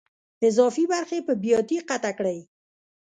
اضافي برخې په بیاتي قطع کړئ.